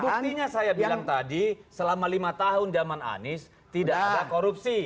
buktinya saya bilang tadi selama lima tahun zaman anies tidak ada korupsi